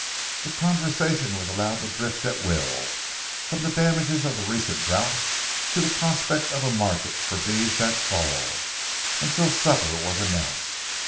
The conversation was allowed to drift at will, from the damages of the recent drouth to the prospect of a market for beeves that fall, until supper was announced.